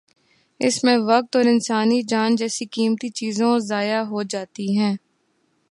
اس میں وقت اور انسانی جان جیسی قیمتی چیزوں ضائع ہو جاتی ہیں۔